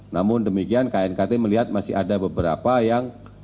namun demikian knkt melihat masih ada beberapa hal yang perlu untuk diperbaiki